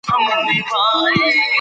دا پخوالی وخت غواړي.